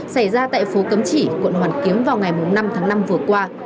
xảy ra tại phố cấm chỉ quận hoàn kiếm vào ngày năm tháng năm vừa qua